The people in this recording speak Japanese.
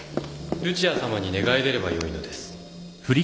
ルチアさまに願い出ればよいのです。